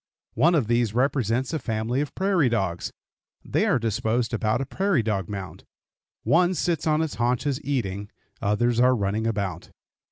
One of these represents a family of prairie dogs. They are disposed about a prairie dog mound. One sits on its haunches eating; others are running about.